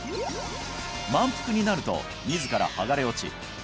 満腹になると自ら剥がれ落ち